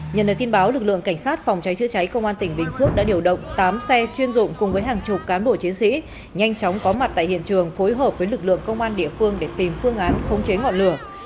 nhận được tin báo lực lượng cảnh sát phòng cháy chữa cháy công an tỉnh bình phước đã điều động tám xe chuyên dụng cùng với hàng chục cán bộ chiến sĩ nhanh chóng có mặt tại hiện trường phối hợp với lực lượng công an địa phương để tìm phương án khống chế ngọn lửa